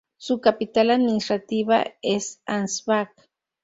Su capital administrativa es Ansbach.